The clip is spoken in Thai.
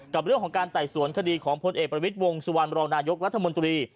กับเรื่องของการไต่สวนคดีของพลเอกประวิทย์วงสุวรรณรองนายกรัฐมนตรี